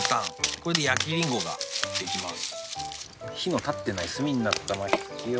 これで焼きリンゴができます。